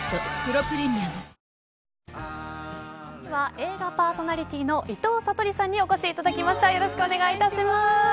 映画パーソナリティーの伊藤さとりさんにお越しいただきました。